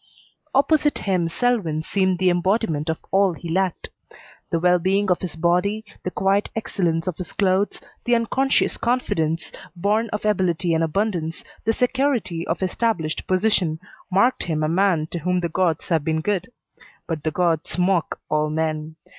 Opposite him Selwyn seemed the embodiment of all he lacked. The well being of his body, the quiet excellence of his clothes, the unconscious confidence, born of ability and abundance, the security of established position, marked him a man to whom the gods have been good. But the gods mock all men.